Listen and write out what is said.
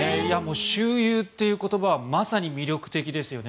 周遊という言葉はまさに魅力的ですよね。